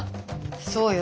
そうよ。